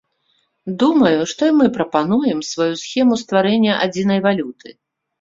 Думаю, што і мы прапануем сваю схему стварэння адзінай валюты.